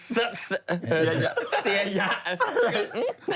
เสียหยา